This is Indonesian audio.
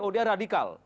oh dia radikal